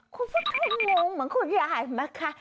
คุณผู้ชมงุมเหมือนคุณยาวนะคะ